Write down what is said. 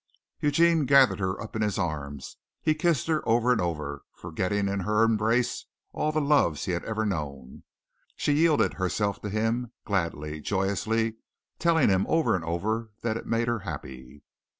Eugene gathered her up in his arms. He kissed her over and over, forgetting in her embrace all the loves he had ever known. She yielded herself to him gladly, joyously, telling him over and over that it made her happy.